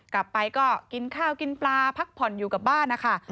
กลับไปก็กินข้าวกินปลาพักผ่อนอยู่กับบ้านนะคะ